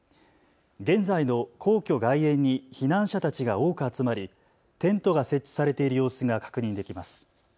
現在の皇居外苑に避難者たちが多く集まりテントが設置されている様子が確認できます。